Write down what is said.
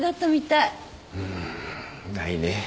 うんないね。